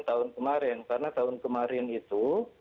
tahun kemarin karena tahun kemarin itu